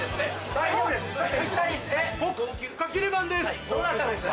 大丈夫です？